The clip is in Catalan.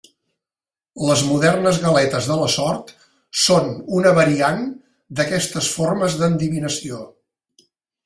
Les modernes galetes de la sort són una variant d'aquestes formes d'endevinació.